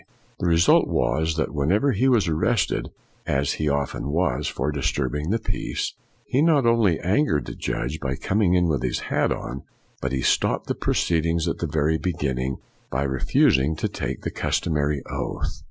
1 The result was that whenever he was arrested, as he often was for disturbing the peace, he not only angered the judge by coming in with his hat on, but he stopped the proceedings at the very be ginning by refusing to take the customary oath.